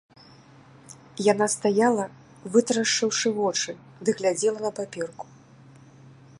Яна стаяла, вытрашчыўшы вочы, ды глядзела на паперку.